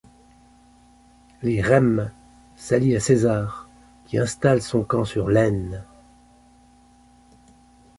Les Rèmes s'allient à César, qui installe son camp sur l'Aisne.